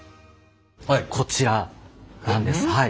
こちらなんですはい。